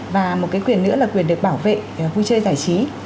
và một cái quyền nữa là quyền được bảo vệ vui chơi giải trí